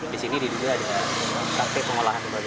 di sini di dunia ada kakit pengolahan limbah medis